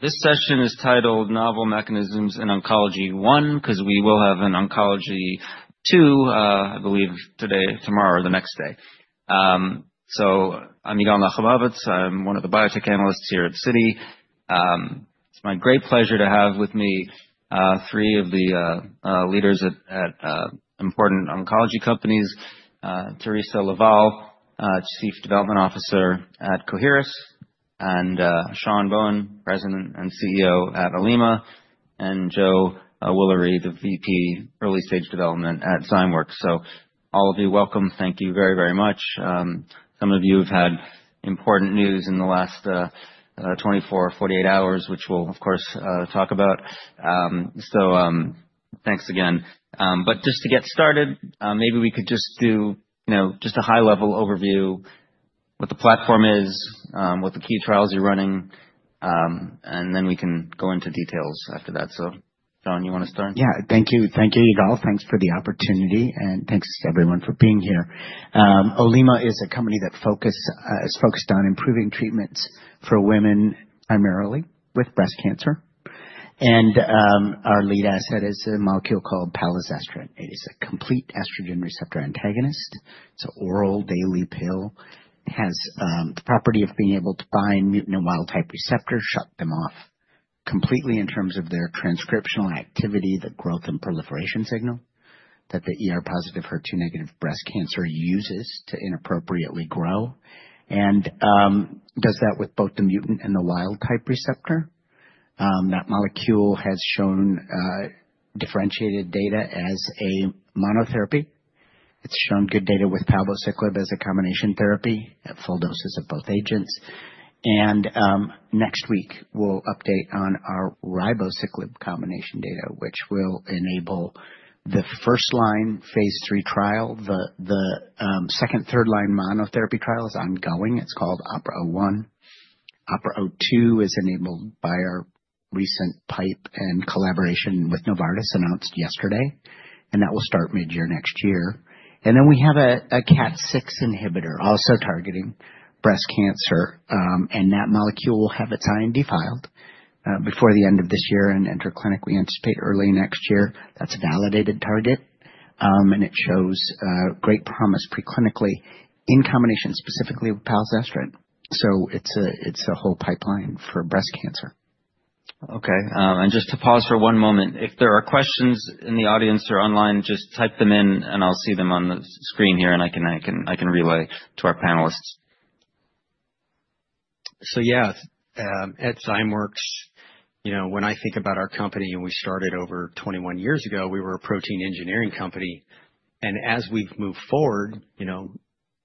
This session is titled Novel Mechanisms in Oncology I, because we will have an Oncology II, I believe, today, tomorrow, or the next day. So I'm Yigal Nochomovitz. I'm one of the biotech analysts here at Citi. It's my great pleasure to have with me three of the leaders at important oncology companies: Theresa LaVallee, Chief Development Officer at Coherus, and Sean Bohen, President and CEO at Olema, and Joe Woolery, the VP, Early-Stage Development at Zymeworks. So all of you, welcome. Thank you very, very much. Some of you have had important news in the last 24, 48 hours, which we'll, of course, talk about. So thanks again. But just to get started, maybe we could just do just a high-level overview, what the platform is, what the key trials you're running, and then we can go into details after that. So Sean, you want to start? Yeah, thank you. Thank you, Yigal. Thanks for the opportunity, and thanks to everyone for being here. Olema is a company that is focused on improving treatments for women, primarily with breast cancer. And our lead asset is a molecule called palazestrant. It is a complete estrogen receptor antagonist. It's an oral, daily pill. It has the property of being able to bind mutant and wild-type receptors, shut them off completely in terms of their transcriptional activity, the growth and proliferation signal that the positive, HER2-negative breast cancer uses to inappropriately grow, and does that with both the mutant and the wild-type receptor. That molecule has shown differentiated data as a monotherapy. It's shown good data with palbociclib as a combination therapy at full doses of both agents. And next week, we'll update on our ribociclib combination data, which will enable the first line phase III trial. The second, third line monotherapy trial is ongoing. It's called OPERA-01. OPERA-02 is enabled by our recent PIPE and collaboration with Novartis announced yesterday, and that will start mid-year next year, and then we have a KAT6 inhibitor also targeting breast cancer, and that molecule will have its IND filed before the end of this year and enter clinic. We anticipate early next year. That's a validated target, and it shows great promise preclinically in combination specifically with palazestrant, so it's a whole pipeline for breast cancer. Okay, and just to pause for one moment, if there are questions in the audience or online, just type them in, and I'll see them on the screen here, and I can relay to our panelists. Yeah, at Zymeworks, when I think about our company, we started over 21 years ago. We were a protein engineering company. And as we've moved forward,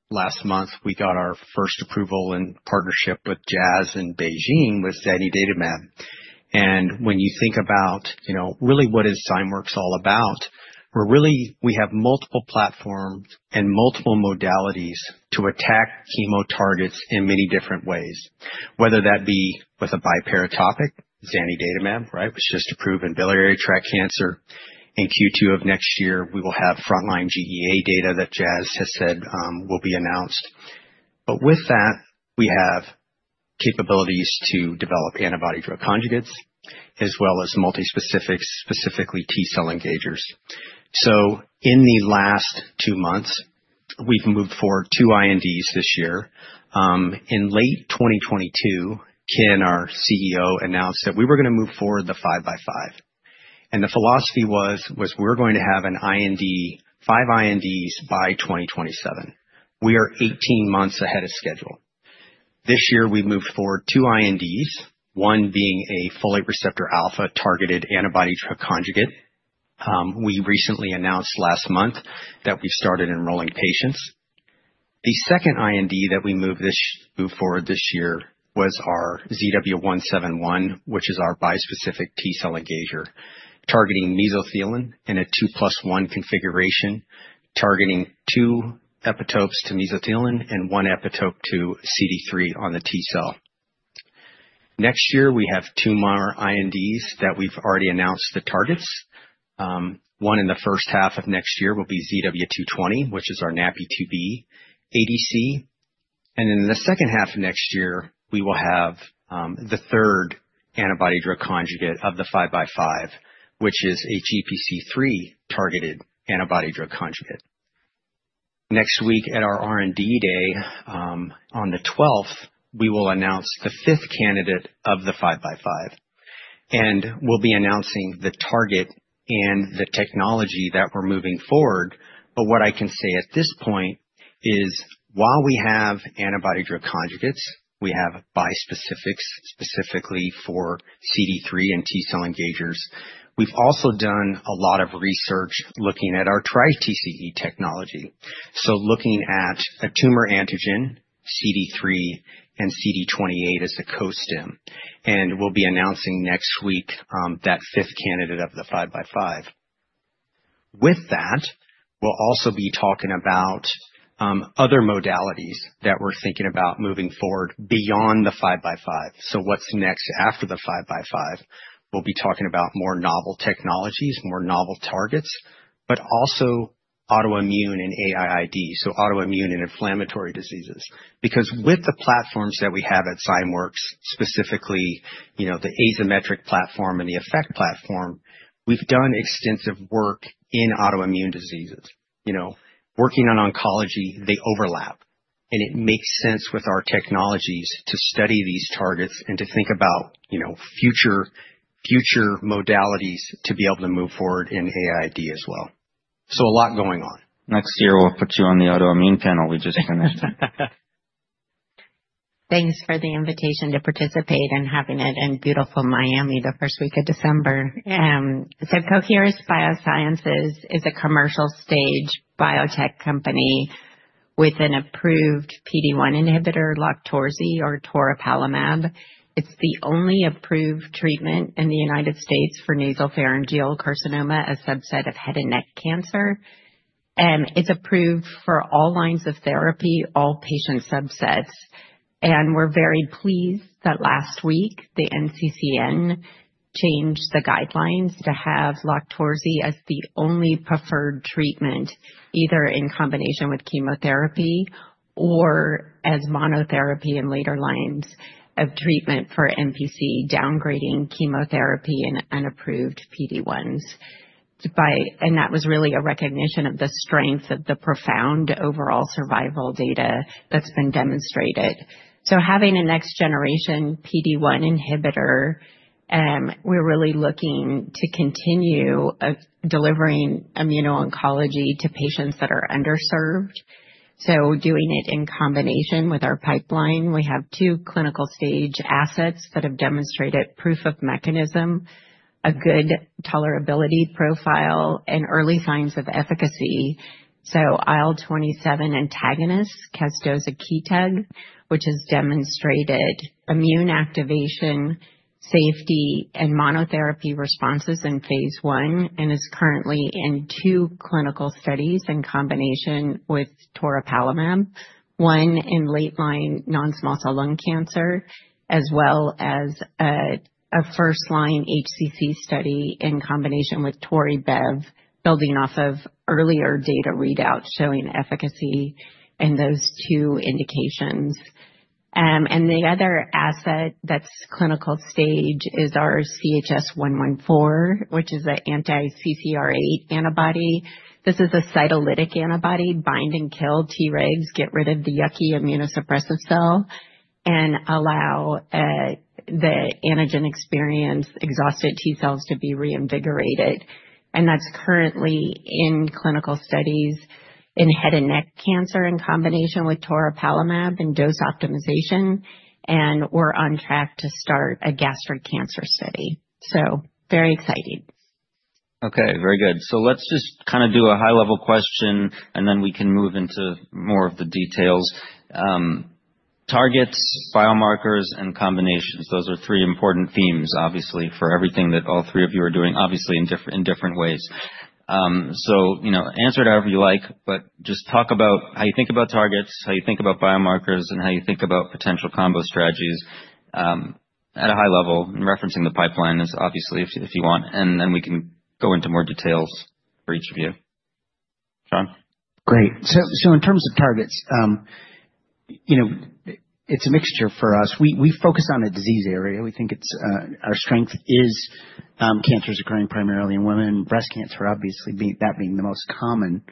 last month, we got our first approval in partnership with BeiGene in Beijing with zanidatamab. And when you think about really what is Zymeworks all about, we have multiple platforms and multiple modalities to attack tumor targets in many different ways, whether that be with a biparatopic, zanidatamab, right, was just approved in biliary tract cancer. In Q2 of next year, we will have frontline GEA data that BeiGene has said will be announced. But with that, we have capabilities to develop antibody drug conjugates, as well as multi-specifics, specifically T cell engagers. So in the last two months, we've moved forward two INDs this year. In late 2022, Ken, our CEO, announced that we were going to move forward the 5 by 5. And the philosophy was we're going to have five INDs by 2027. We are 18 months ahead of schedule. This year, we moved forward two INDs, one being a folate receptor alpha targeted antibody drug conjugate. We recently announced last month that we've started enrolling patients. The second IND that we moved forward this year was our ZW171, which is our bispecific T cell engager targeting mesothelin in a two plus one configuration, targeting two epitopes to mesothelin and one epitope to CD3 on the T cell. Next year, we have two more INDs that we've already announced the targets. One in the first half of next year will be ZW220, which is our NaPi2b ADC. And in the second half of next year, we will have the third antibody drug conjugate of the 5 by 5, which is a GPC3 targeted antibody drug conjugate. Next week at our R&D Day, on the 12th, we will announce the fifth candidate of the 5 by 5. And we'll be announcing the target and the technology that we're moving forward. But what I can say at this point is, while we have antibody drug conjugates, we have bispecifics specifically for CD3 and T cell engagers. We've also done a lot of research looking at our TriTCE technology, so looking at a tumor antigen, CD3 and CD28 as a co-stim. And we'll be announcing next week that fifth candidate of the 5 by 5. With that, we'll also be talking about other modalities that we're thinking about moving forward beyond the 5 by 5. So what's next after the 5 by 5? We'll be talking about more novel technologies, more novel targets, but also autoimmune and AIID, so autoimmune and inflammatory diseases. Because with the platforms that we have at Zymeworks, specifically the Azymetric platform and the EFECT platform, we've done extensive work in autoimmune diseases. Working on oncology, they overlap. And it makes sense with our technologies to study these targets and to think about future modalities to be able to move forward in AIID as well. So a lot going on. Next year, we'll put you on the autoimmune panel. We just finished. Thanks for the invitation to participate and having it in beautiful Miami the first week of December. So Coherus BioSciences is a commercial stage biotech company with an approved PD-1 inhibitor, LOQTORZI or toripalimab. It's the only approved treatment in the United States for nasopharyngeal carcinoma, a subset of head and neck cancer. It's approved for all lines of therapy, all patient subsets. And we're very pleased that last week, the NCCN changed the guidelines to have LOQTORZI as the only preferred treatment, either in combination with chemotherapy or as monotherapy in later lines of treatment for NPC downgrading chemotherapy and unapproved PD-1s. And that was really a recognition of the strength of the profound overall survival data that's been demonstrated. So having a next generation PD-1 inhibitor, we're really looking to continue delivering immuno-oncology to patients that are underserved. Doing it in combination with our pipeline, we have two clinical stage assets that have demonstrated proof of mechanism, a good tolerability profile, and early signs of efficacy. IL-27 antagonist, casdozokitug, which has demonstrated immune activation, safety, and monotherapy responses in phase I and is currently in two clinical studies in combination with toripalimab, one in late line non-small cell lung cancer, as well as a first line HCC study in combination with tori and bev, building off of earlier data readouts showing efficacy in those two indications. The other asset that's clinical stage is our CHS-114, which is an anti-CCR8 antibody. This is a cytolytic antibody bind and kill Tregs, get rid of the yucky immunosuppressive cell, and allow the antigen experienced exhausted T cells to be reinvigorated. That's currently in clinical studies in head and neck cancer in combination with toripalimab and dose optimization. We're on track to start a gastric cancer study. Very exciting. Okay, very good. So let's just kind of do a high-level question, and then we can move into more of the details. Targets, biomarkers, and combinations, those are three important themes, obviously, for everything that all three of you are doing, obviously, in different ways. So answer it however you like, but just talk about how you think about targets, how you think about biomarkers, and how you think about potential combo strategies at a high level, referencing the pipeline is obviously if you want. And then we can go into more details for each of you. Sean? Great. So in terms of targets, it's a mixture for us. We focus on a disease area. We think our strength is cancers occurring primarily in women, breast cancer, obviously, that being the most common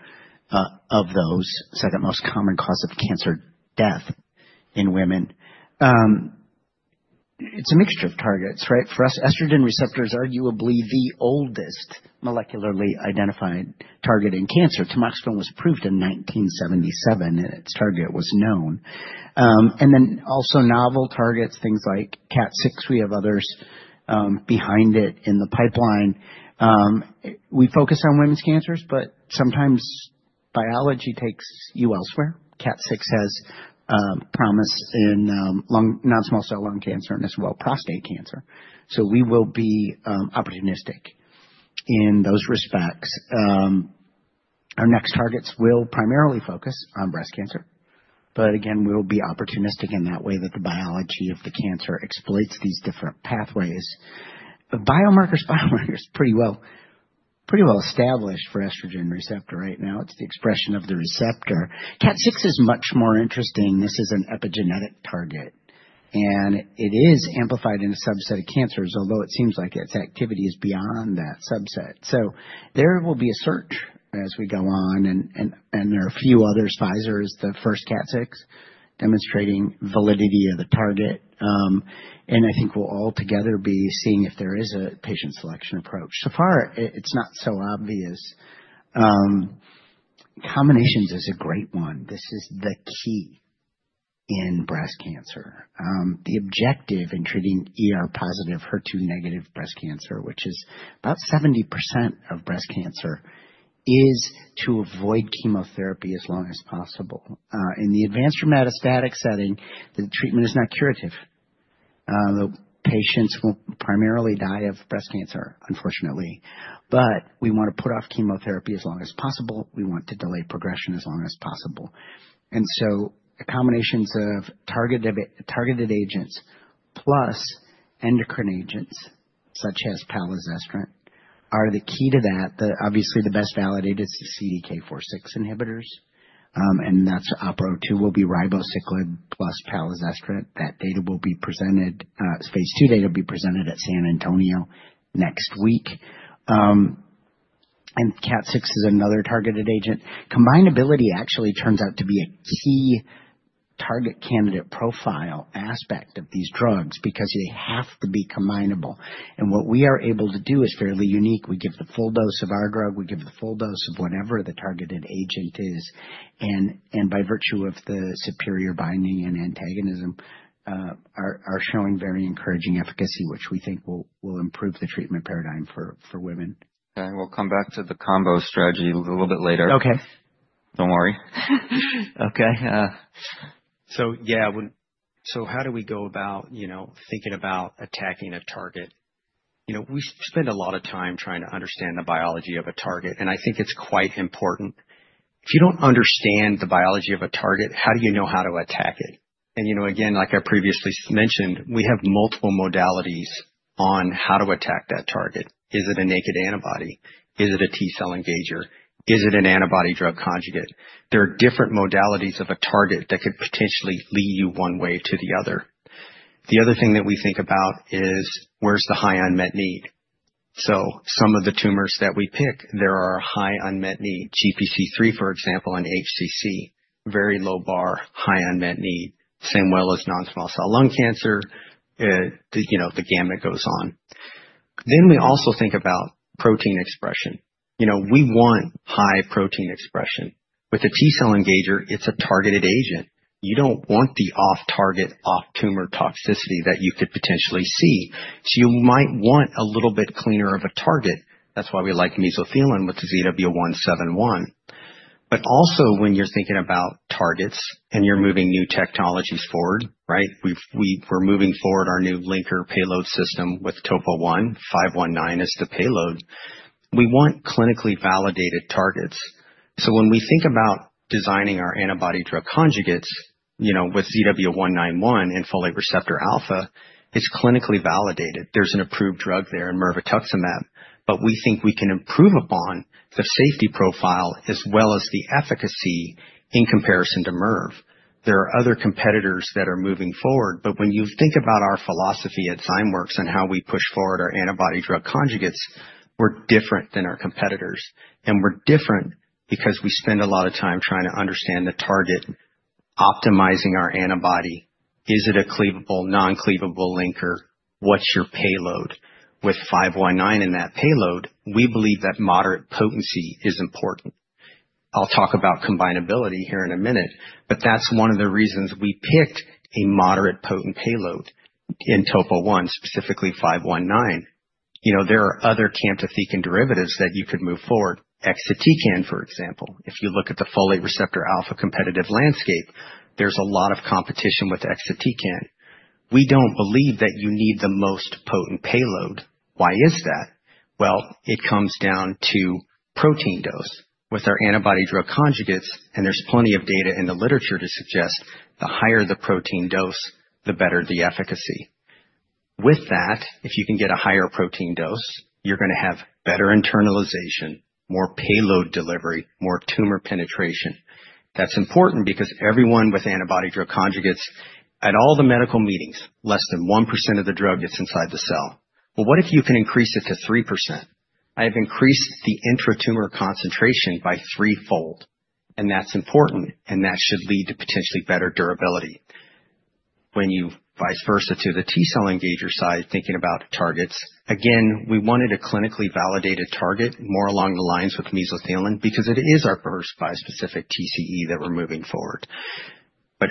of those, second most common cause of cancer death in women. It's a mixture of targets, right? For us, estrogen receptor is arguably the oldest molecularly identified target in cancer. Tamoxifen was approved in 1977, and its target was known. And then also novel targets, things like KAT6. We have others behind it in the pipeline. We focus on women's cancers, but sometimes biology takes you elsewhere. KAT6 has promise in non-small cell lung cancer and as well prostate cancer. So we will be opportunistic in those respects. Our next targets will primarily focus on breast cancer. But again, we'll be opportunistic in that way that the biology of the cancer exploits these different pathways. Biomarkers, biomarkers pretty well established for estrogen receptor right now. It's the expression of the receptor. KAT6 is much more interesting. This is an epigenetic target. And it is amplified in a subset of cancers, although it seems like its activity is beyond that subset. So there will be a search as we go on. And there are a few others. Pfizer is the first KAT6 demonstrating validity of the target. And I think we'll all together be seeing if there is a patient selection approach. So far, it's not so obvious. Combinations is a great one. This is the key in breast cancer. The objective in treating positive, HER2-negative breast cancer, which is about 70% of breast cancer, is to avoid chemotherapy as long as possible. In the advanced or metastatic setting, the treatment is not curative. The patients will primarily die of breast cancer, unfortunately. But we want to put off chemotherapy as long as possible. We want to delay progression as long as possible. And so combinations of targeted agents plus endocrine agents such as palazestrant are the key to that. Obviously, the best validated is the CDK4/6 inhibitors. And that's OPERA-02 will be ribociclib plus palazestrant. That data will be presented, phase II data will be presented at San Antonio next week. And KAT6 is another targeted agent. Combinability actually turns out to be a key target candidate profile aspect of these drugs because they have to be combinable. And what we are able to do is fairly unique. We give the full dose of our drug. We give the full dose of whatever the targeted agent is. And by virtue of the superior binding and antagonism, are showing very encouraging efficacy, which we think will improve the treatment paradigm for women. Okay. We'll come back to the combo strategy a little bit later. Okay. Don't worry. Okay. So yeah, so how do we go about thinking about attacking a target? We spend a lot of time trying to understand the biology of a target. And I think it's quite important. If you don't understand the biology of a target, how do you know how to attack it? And again, like I previously mentioned, we have multiple modalities on how to attack that target. Is it a naked antibody? Is it a T cell engager? Is it an antibody drug conjugate? There are different modalities of a target that could potentially lead you one way to the other. The other thing that we think about is where's the high unmet need? So some of the tumors that we pick, there are high unmet need, GPC3, for example, and HCC, very low bar, high unmet need, as well as non-small cell lung cancer, the gamut goes on. Then we also think about protein expression. We want high protein expression. With a T cell engager, it's a targeted agent. You don't want the off-target, off-tumor toxicity that you could potentially see. So you might want a little bit cleaner of a target. That's why we like mesothelin with the ZW171. But also when you're thinking about targets and you're moving new technologies forward, right? We're moving forward our new linker payload system with Topo1, 519 is the payload. We want clinically validated targets. So when we think about designing our antibody drug conjugates with ZW191 and folate receptor alpha, it's clinically validated. There's an approved drug there in mirvetuximab. But we think we can improve upon the safety profile as well as the efficacy in comparison to Merv. There are other competitors that are moving forward. But when you think about our philosophy at Zymeworks and how we push forward our antibody drug conjugates, we're different than our competitors. And we're different because we spend a lot of time trying to understand the target, optimizing our antibody. Is it a cleavable, non-cleavable linker? What's your payload? With 519 in that payload, we believe that moderate potency is important. I'll talk about combinability here in a minute, but that's one of the reasons we picked a moderate potent payload in Topo1, specifically 519. There are other camptothecin derivatives that you could move forward, exatecan, for example. If you look at the folate receptor alpha competitive landscape, there's a lot of competition with exatecan. We don't believe that you need the most potent payload. Why is that? Well, it comes down to protein dose. With our antibody-drug conjugates, and there's plenty of data in the literature to suggest the higher the protein dose, the better the efficacy. With that, if you can get a higher protein dose, you're going to have better internalization, more payload delivery, more tumor penetration. That's important because everyone with antibody-drug conjugates, at all the medical meetings, less than 1% of the drug gets inside the cell. Well, what if you can increase it to 3%? I have increased the intratumoral concentration by threefold. And that's important, and that should lead to potentially better durability. When you vice versa to the T cell engager side, thinking about targets, again, we wanted a clinically validated target more along the lines with mesothelin because it is our first bispecific TCE that we're moving forward.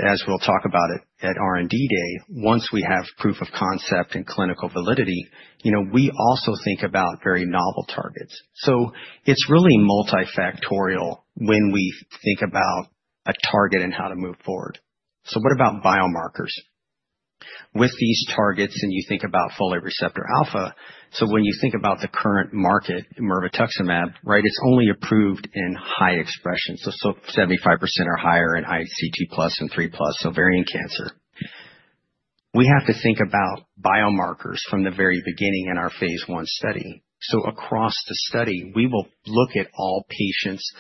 As we'll talk about it at R&D day, once we have proof of concept and clinical validity, we also think about very novel targets. So it's really multifactorial when we think about a target and how to move forward. So what about biomarkers? With these targets, and you think about folate receptor alpha, so when you think about the current market, mirvetuximab, right, it's only approved in high expression. So 75% or higher in IHC 2+ and 3+, ovarian cancer. We have to think about biomarkers from the very beginning in our phase I study. So across the study, we will look at all patients'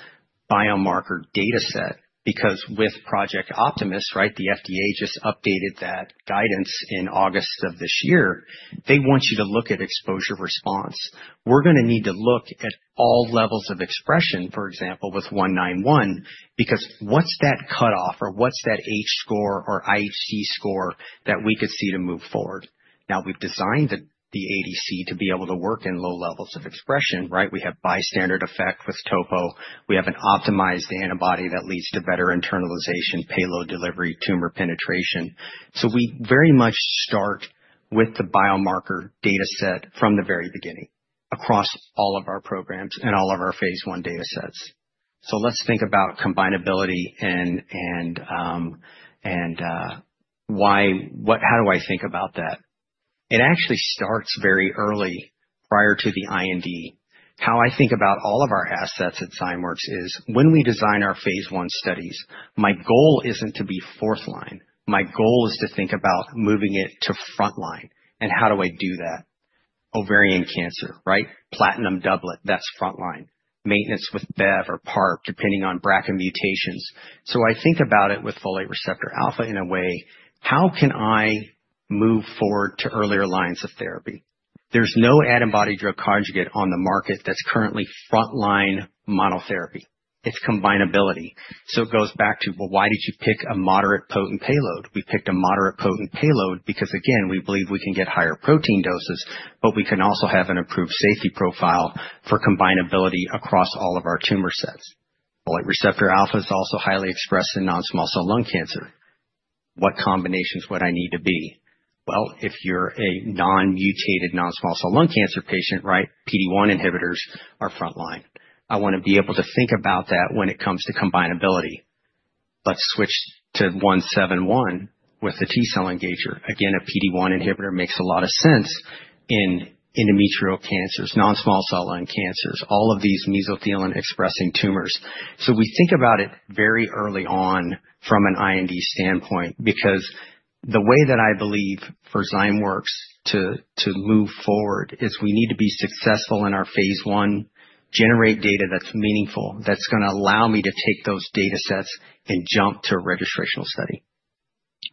biomarker data set because with Project Optimist, right, the FDA just updated that guidance in August of this year. They want you to look at exposure response. We're going to need to look at all levels of expression, for example, with 191, because what's that cutoff or what's that H score or IHC score that we could see to move forward? Now, we've designed the ADC to be able to work in low levels of expression, right? We have bystander effect with topo. We have an optimized antibody that leads to better internalization, payload delivery, tumor penetration. So we very much start with the biomarker data set from the very beginning across all of our programs and all of our phase I data sets. So let's think about combinability and how do I think about that? It actually starts very early prior to the IND. How I think about all of our assets at Zymeworks is when we design our phase I studies, my goal isn't to be fourth line. My goal is to think about moving it to frontline, and how do I do that? Ovarian cancer, right? Platinum doublet, that's frontline. Maintenance with BEV or PARP, depending on BRCA mutations, so I think about it with folate receptor alpha in a way, how can I move forward to earlier lines of therapy? There's no antibody-drug conjugate on the market that's currently frontline monotherapy. It's combinability, so it goes back to, well, why did you pick a moderate potent payload? We picked a moderate potent payload because, again, we believe we can get higher protein doses, but we can also have an improved safety profile for combinability across all of our tumor sets. Folate receptor alpha is also highly expressed in non-small cell lung cancer. What combinations would I need to be? Well, if you're a non-mutated non-small cell lung cancer patient, right, PD-1 inhibitors are frontline. I want to be able to think about that when it comes to combinability. Let's switch to 171 with the T cell engager. Again, a PD-1 inhibitor makes a lot of sense in endometrial cancers, non-small cell lung cancers, all of these mesothelin expressing tumors. So we think about it very early on from an IND standpoint because the way that I believe for Zymeworks to move forward is we need to be successful in our phase I, generate data that's meaningful, that's going to allow me to take those data sets and jump to a registrational study.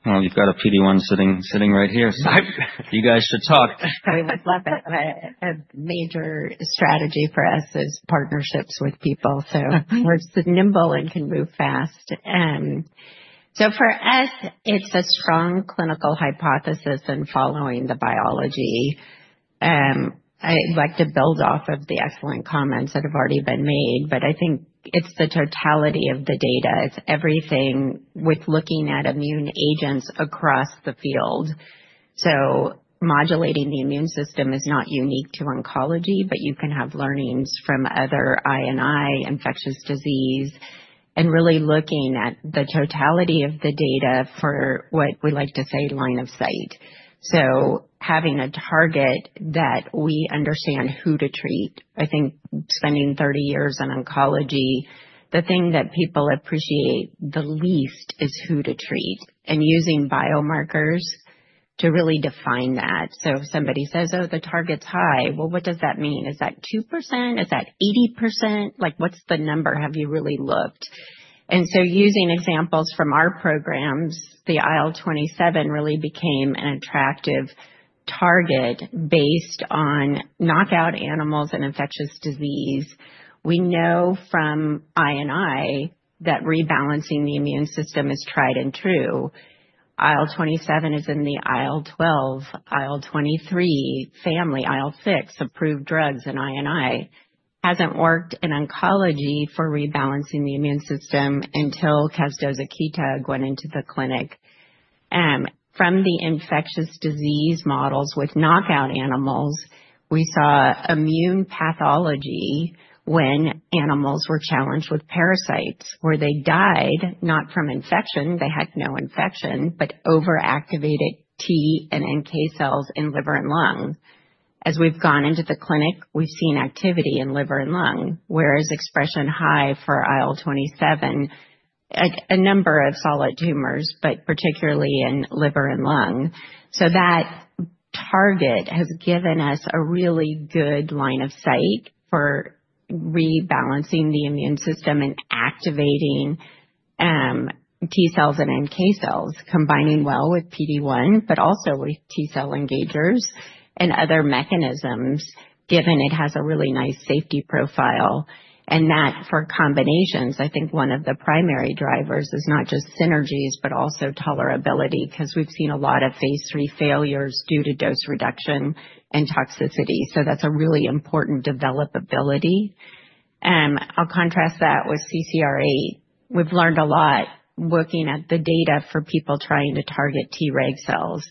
You've got a PD-1 sitting right here. You guys should talk. I would love it. A major strategy for us is partnerships with people so we're nimble and can move fast. So for us, it's a strong clinical hypothesis and following the biology. I'd like to build off of the excellent comments that have already been made, but I think it's the totality of the data. It's everything with looking at immune agents across the field. So modulating the immune system is not unique to oncology, but you can have learnings from other areas in infectious disease, and really looking at the totality of the data for what we like to say line of sight. So having a target that we understand who to treat. I think spending 30 years in oncology, the thing that people appreciate the least is who to treat and using biomarkers to really define that. So if somebody says, "Oh, the target's high," well, what does that mean? Is that 2%? Is that 80%? What's the number? Have you really looked? And so using examples from our programs, the IL-27 really became an attractive target based on knockout animals and infectious disease. We know from IO that rebalancing the immune system is tried and true. IL-27 is in the IL-12, IL-23 family, IL-6 approved drugs in IO. Hasn't worked in oncology for rebalancing the immune system until casdozokitug went into the clinic. From the infectious disease models with knockout animals, we saw immune pathology when animals were challenged with parasites where they died not from infection, they had no infection, but overactivated T and NK cells in liver and lung. As we've gone into the clinic, we've seen activity in liver and lung, where expression is high for IL-27 in a number of solid tumors, but particularly in liver and lung. That target has given us a really good line of sight for rebalancing the immune system and activating T cells and NK cells, combining well with PD-1, but also with T cell engagers and other mechanisms, given it has a really nice safety profile. That, for combinations, I think one of the primary drivers is not just synergies, but also tolerability because we've seen a lot of phase III failures due to dose reduction and toxicity. That's a really important developability. I'll contrast that with CCR8. We've learned a lot looking at the data for people trying to target Treg cells.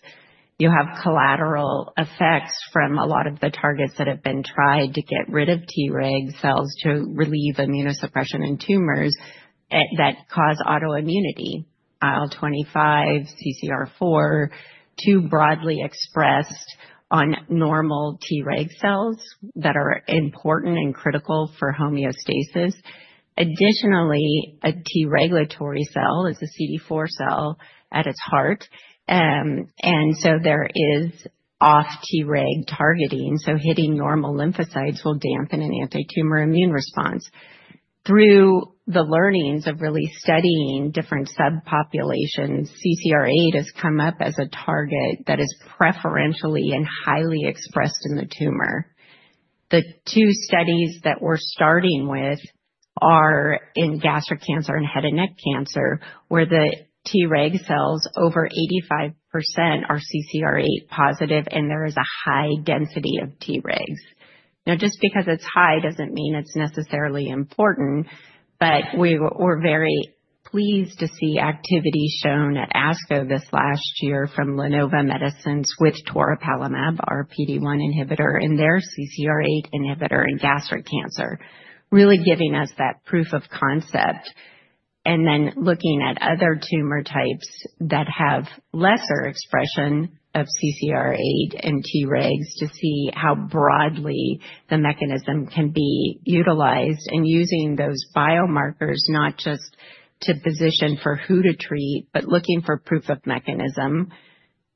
You have collateral effects from a lot of the targets that have been tried to get rid of T reg cells to relieve immunosuppression in tumors that cause autoimmunity. IL-25, CCR4, too broadly expressed on normal T reg cells that are important and critical for homeostasis. Additionally, a T regulatory cell is a CD4 cell at its heart, and so there is off T reg targeting, so hitting normal lymphocytes will dampen an anti-tumor immune response. Through the learnings of really studying different subpopulations, CCR8 has come up as a target that is preferentially and highly expressed in the tumor. The two studies that we're starting with are in gastric cancer and head and neck cancer, where the T reg cells, over 85%, are CCR8 positive, and there is a high density of Tregs. Now, just because it's high doesn't mean it's necessarily important, but we were very pleased to see activity shown at ASCO this last year from LaNova Medicines with toripalimab, our PD-1 inhibitor and their CCR8 inhibitor in gastric cancer, really giving us that proof of concept. And then looking at other tumor types that have lesser expression of CCR8 and T regs to see how broadly the mechanism can be utilized and using those biomarkers, not just to position for who to treat, but looking for proof of mechanism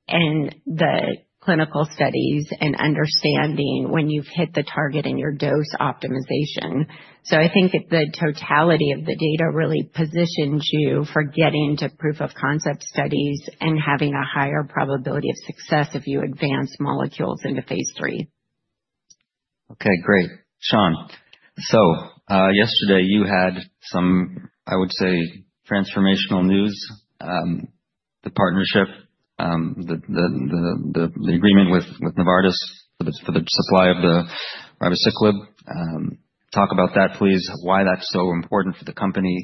and the clinical studies and understanding when you've hit the target and your dose optimization. So I think the totality of the data really positions you for getting to proof of concept studies and having a higher probability of success if you advance molecules into phase III. Okay, great. Sean, so yesterday you had some, I would say, transformational news, the partnership, the agreement with Novartis for the supply of the ribociclib. Talk about that, please. Why that's so important for the company,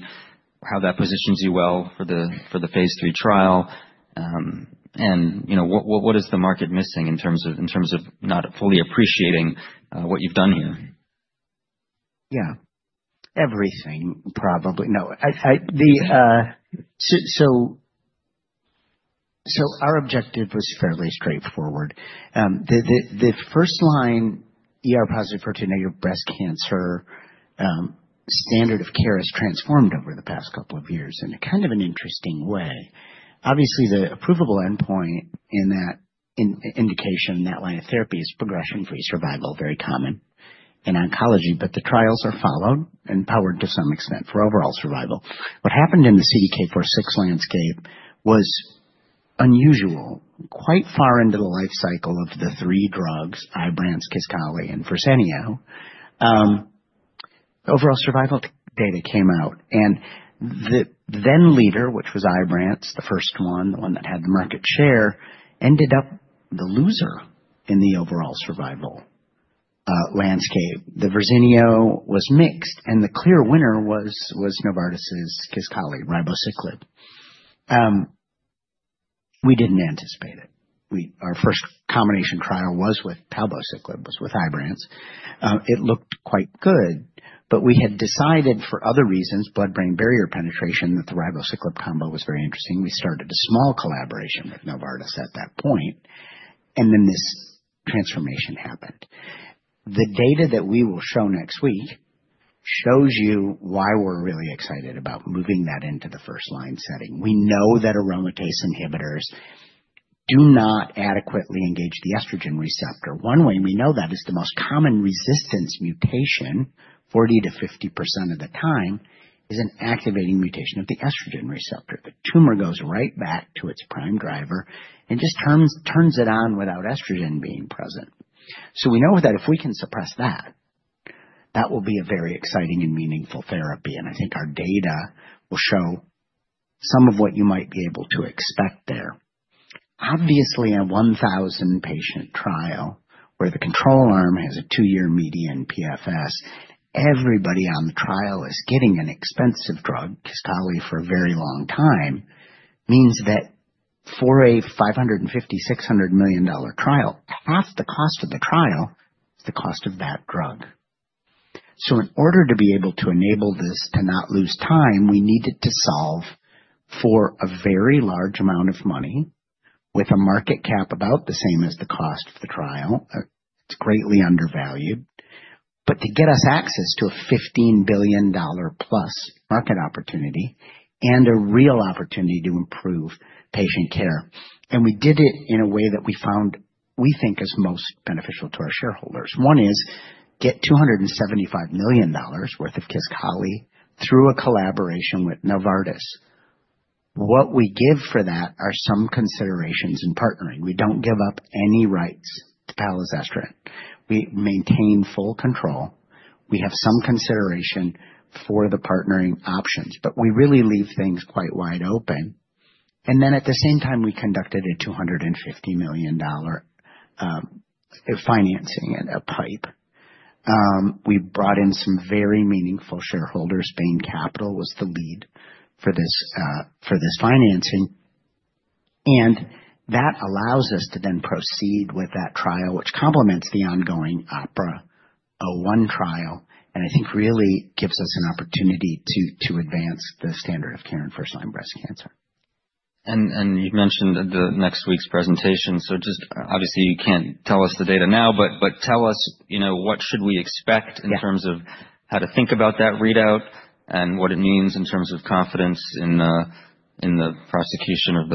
how that positions you well for the phase III trial, and what is the market missing in terms of not fully appreciating what you've done here? Yeah, everything probably. No. So our objective was fairly straightforward. The first-line HR-positive, HER2-negative breast cancer standard of care has transformed over the past couple of years in a kind of an interesting way. Obviously, the primary endpoint in that indication, that line of therapy is progression-free survival, very common in oncology, but the trials are followed and powered to some extent for overall survival. What happened in the CDK4/6 landscape was unusual. Quite far into the life cycle of the three drugs, Ibrance, Kisqali, and Verzenio, overall survival data came out. And the then leader, which was Ibrance, the first one, the one that had the market share, ended up the loser in the overall survival landscape. The Verzenio was mixed, and the clear winner was Novartis's Kisqali, ribociclib. We didn't anticipate it. Our first combination trial was with palbociclib, was with Ibrance. It looked quite good, but we had decided for other reasons, blood-brain barrier penetration, that the Ribociclib combo was very interesting. We started a small collaboration with Novartis at that point, and then this transformation happened. The data that we will show next week shows you why we're really excited about moving that into the first line setting. We know that aromatase inhibitors do not adequately engage the estrogen receptor. One way we know that is the most common resistance mutation, 40%-50% of the time, is an activating mutation of the estrogen receptor. The tumor goes right back to its prime driver and just turns it on without estrogen being present. So we know that if we can suppress that, that will be a very exciting and meaningful therapy. And I think our data will show some of what you might be able to expect there. Obviously, a 1,000-patient trial where the control arm has a two-year median PFS, everybody on the trial is getting an expensive drug, Kisqali, for a very long time, means that for a $550-$600 million trial, half the cost of the trial is the cost of that drug. So in order to be able to enable this to not lose time, we needed to solve for a very large amount of money with a market cap about the same as the cost of the trial. It's greatly undervalued. But to get us access to a $15 billion plus market opportunity and a real opportunity to improve patient care. And we did it in a way that we found we think is most beneficial to our shareholders. One is get $275 million worth of Kisqali through a collaboration with Novartis. What we give for that are some considerations in partnering. We don't give up any rights to palazestrant. We maintain full control. We have some consideration for the partnering options, but we really leave things quite wide open. And then at the same time, we conducted a $250 million financing and a PIPE. We brought in some very meaningful shareholders. Bain Capital was the lead for this financing. And that allows us to then proceed with that trial, which complements the ongoing OPERA-01 trial, and I think really gives us an opportunity to advance the standard of care in first-line breast cancer. And you've mentioned the next week's presentation. So, just obviously, you can't tell us the data now, but tell us what should we expect in terms of how to think about that readout and what it means in terms of confidence in the prosecution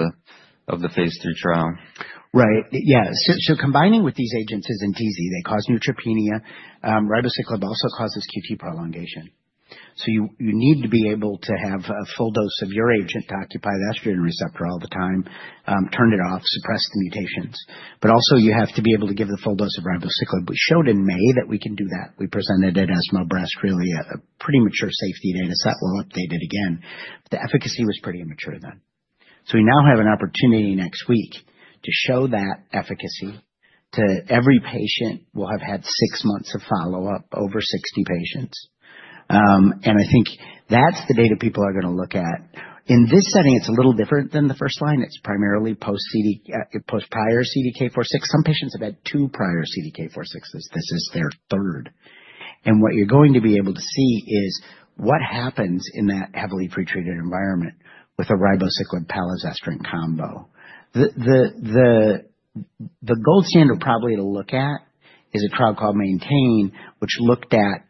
of the phase III trial. Right. Yeah, so combining with these agents isn't easy. They cause neutropenia. Ribociclib also causes QT prolongation, so you need to be able to have a full dose of your agent to occupy the estrogen receptor all the time, turn it off, suppress the mutations, but also you have to be able to give the full dose of ribociclib. We showed in May that we can do that. We presented it as ESMO Breast, really a pretty mature safety data set. We'll update it again. The efficacy was pretty immature then, so we now have an opportunity next week to show that efficacy to every patient. We'll have had six months of follow-up, over 60 patients, and I think that's the data people are going to look at. In this setting, it's a little different than the first line. It's primarily post-prior CDK4/6. Some patients have had two prior CDK4/6. This is their third. And what you're going to be able to see is what happens in that heavily pretreated environment with a ribociclib-palazestrant combo. The gold standard probably to look at is a trial called MAINTAIN, which looked at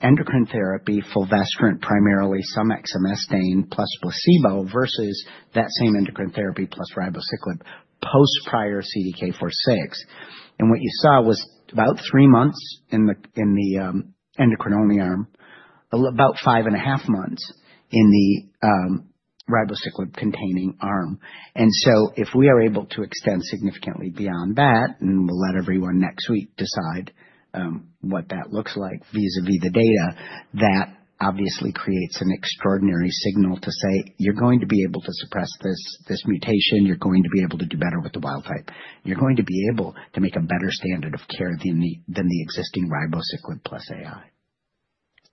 endocrine therapy, fulvestrant primarily, some exemestane plus placebo versus that same endocrine therapy plus ribociclib post-prior CDK4/6. And what you saw was about three months in the endocrine-only arm, about five and a half months in the ribociclib-containing arm. And so if we are able to extend significantly beyond that, and we'll let everyone next week decide what that looks like vis-à-vis the data, that obviously creates an extraordinary signal to say, "You're going to be able to suppress this mutation. You're going to be able to do better with the wild type. You're going to be able to make a better standard of care than the existing Ribociclib plus AI.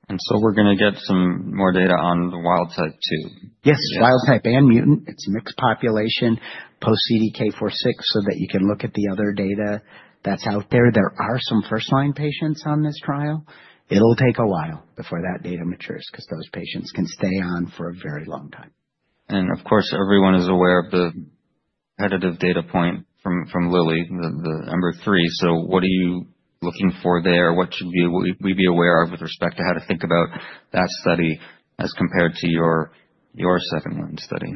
We're going to get some more data on the wild type too. Yes, wild type and mutant. It's a mixed population post-CDK4/6 so that you can look at the other data that's out there. There are some first-line patients on this trial. It'll take a while before that data matures because those patients can stay on for a very long time. Of course, everyone is aware of the additive data point from Lilly, the number three. What are you looking for there? What should we be aware of with respect to how to think about that study as compared to your second-line study?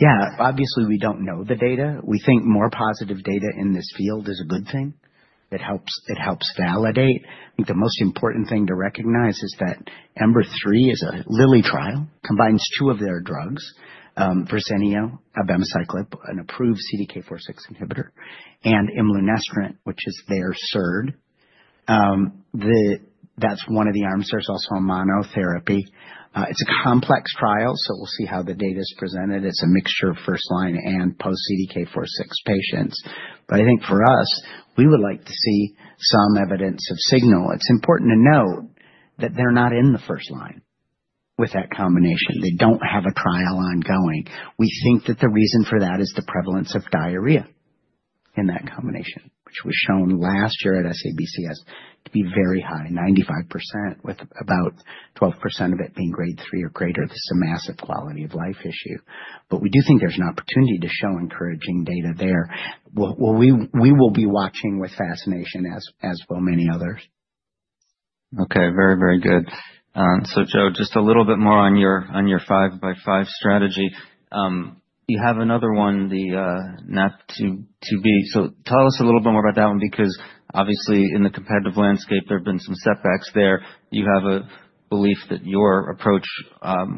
Yeah, obviously, we don't know the data. We think more positive data in this field is a good thing. It helps validate. I think the most important thing to recognize is that Ember-3 is a Lilly trial, combines two of their drugs, Verzenio, abemaciclib, an approved CDK4/6 inhibitor, and Imlunestran, which is their third. That's one of the arms. There's also a monotherapy. It's a complex trial, so we'll see how the data is presented. It's a mixture of first-line and post-CDK4/6 patients. But I think for us, we would like to see some evidence of signal. It's important to note that they're not in the first line with that combination. They don't have a trial ongoing. We think that the reason for that is the prevalence of diarrhea in that combination, which was shown last year at SABCS to be very high, 95%, with about 12% of it being grade three or greater. This is a massive quality of life issue. But we do think there's an opportunity to show encouraging data there. We will be watching with fascination as well many others. Okay, very, very good. So Joe, just a little bit more on your five-by-five strategy. You have another one, the NaPi2b. So tell us a little bit more about that one because obviously in the competitive landscape, there have been some setbacks there. You have a belief that your approach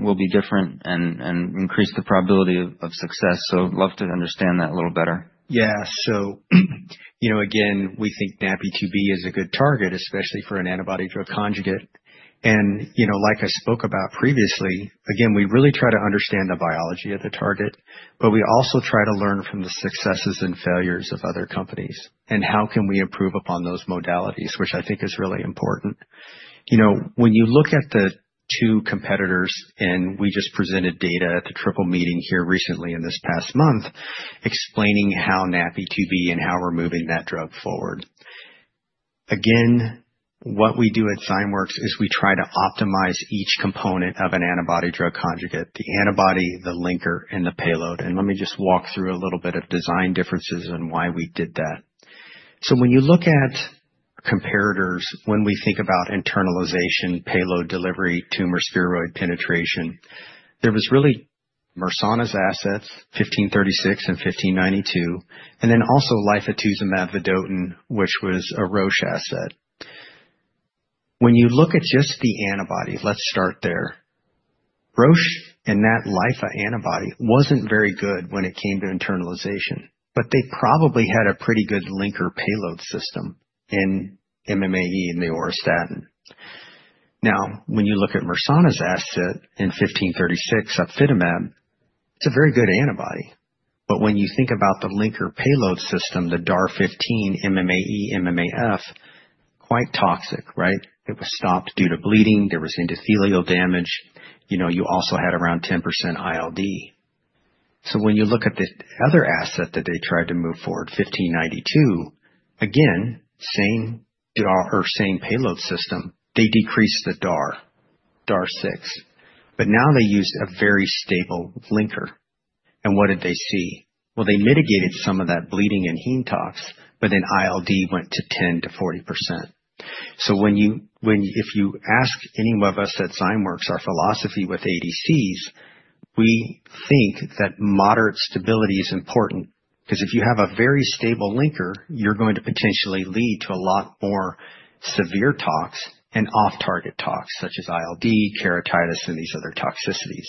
will be different and increase the probability of success. So I'd love to understand that a little better. Yeah. So again, we think NaPi2b is a good target, especially for an antibody-drug conjugate. And like I spoke about previously, again, we really try to understand the biology of the target, but we also try to learn from the successes and failures of other companies and how can we improve upon those modalities, which I think is really important. When you look at the two competitors, and we just presented data at the Triple Meeting here recently in this past month, explaining how NaPi2b and how we're moving that drug forward. Again, what we do at Zymeworks is we try to optimize each component of an antibody-drug conjugate: the antibody, the linker, and the payload. And let me just walk through a little bit of design differences and why we did that. So when you look at comparators, when we think about internalization, payload delivery, tumor spheroid penetration, there was really Mersana's assets, 1536 and 1592, and then also lifastuzumab vedotin, which was a Roche asset. When you look at just the antibody, let's start there. Roche and that lifastuzumab antibody wasn't very good when it came to internalization, but they probably had a pretty good linker payload system in MMAE and the auristatin. Now, when you look at Mersana's asset in 1536, upifitamab, it's a very good antibody. But when you think about the linker payload system, the DAR15 MMAE, MMAF, quite toxic, right? It was stopped due to bleeding. There was endothelial damage. You also had around 10% ILD. So when you look at the other asset that they tried to move forward, 1592, again, same payload system, they decreased the DAR, DAR6, but now they used a very stable linker. And what did they see? Well, they mitigated some of that bleeding and heme tox, but then ILD went to 10%-40%. So if you ask any of us at Zymeworks, our philosophy with ADCs, we think that moderate stability is important because if you have a very stable linker, you're going to potentially lead to a lot more severe tox and off-target tox such as ILD, keratitis, and these other toxicities.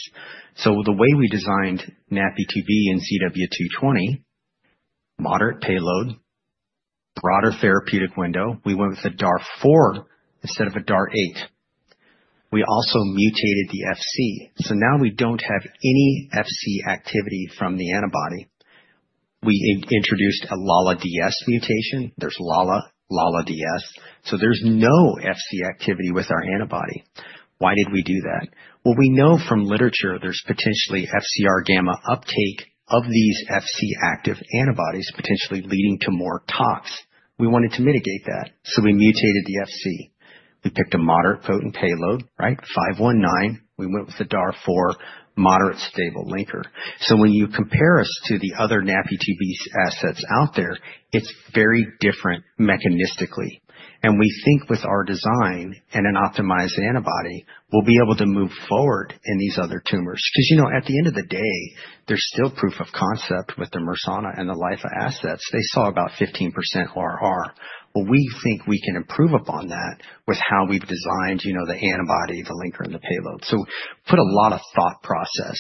So the way we designed NaPi2b and ZW220, moderate payload, broader therapeutic window, we went with a DAR4 instead of a DAR8. We also mutated the Fc. So now we don't have any Fc activity from the antibody. We introduced a LALA-DS mutation. There's LALA-DS. So there's no Fc activity with our antibody. Why did we do that? Well, we know from literature there's potentially FcR gamma uptake of these Fc-active antibodies, potentially leading to more tox. We wanted to mitigate that, so we mutated the Fc. We picked a moderate potent payload, right? 519. We went with the DAR 4, moderate stable linker. So when you compare us to the other NaPi2b assets out there, it's very different mechanistically. And we think with our design and an optimized antibody, we'll be able to move forward in these other tumors. Because at the end of the day, there's still proof of concept with the Mersana and the Lifa assets. They saw about 15% RR. Well, we think we can improve upon that with how we've designed the antibody, the linker, and the payload. So put a lot of thought process.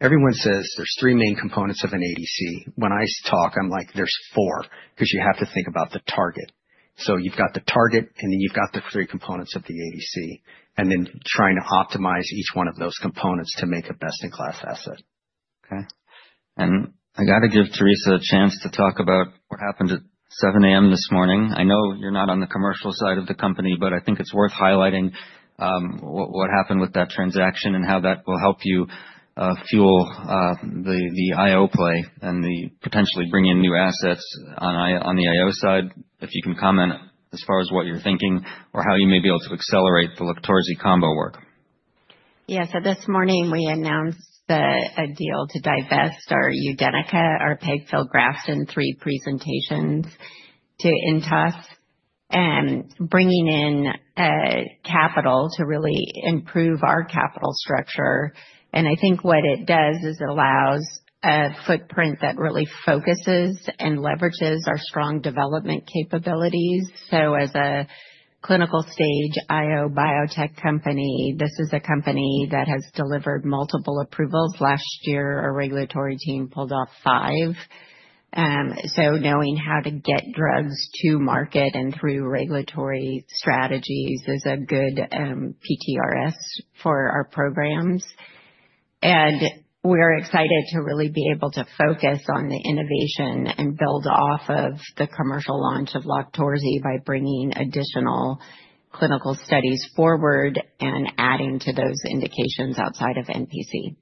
Everyone says there's three main components of an ADC. When I talk, I'm like, there's four because you have to think about the target. So you've got the target, and then you've got the three components of the ADC, and then trying to optimize each one of those components to make a best-in-class asset. Okay. And I got to give Theresa a chance to talk about what happened at 7:00 A.M. this morning. I know you're not on the commercial side of the company, but I think it's worth highlighting what happened with that transaction and how that will help you fuel the IO play and potentially bring in new assets on the IO side, if you can comment as far as what you're thinking or how you may be able to accelerate the LOQTORZI combo work. Yes. So this morning, we announced a deal to divest our UDENYCA, our pegfilgrastim, to Intas, bringing in capital to really improve our capital structure. And I think what it does is it allows a footprint that really focuses and leverages our strong development capabilities. So as a clinical stage IO biotech company, this is a company that has delivered multiple approvals. Last year, our regulatory team pulled off five. So knowing how to get drugs to market and through regulatory strategies is a good track record for our programs. And we're excited to really be able to focus on the innovation and build off of the commercial launch of LOQTORZI by bringing additional clinical studies forward and adding to those indications outside of NPC.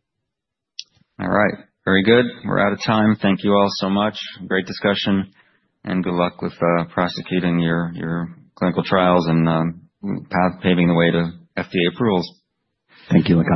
All right. Very good. We're out of time. Thank you all so much. Great discussion. And good luck with prosecuting your clinical trials and paving the way to FDA approvals. Thank you.